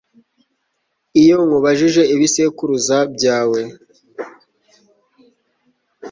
iyo nkubajije ibisekuruza byawe